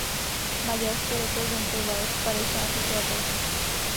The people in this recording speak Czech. Maďarsko reprezentoval v padesátých letech.